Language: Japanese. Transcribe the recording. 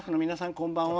こんばんは。